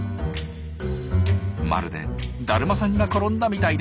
まるで「だるまさんが転んだ」みたいですね。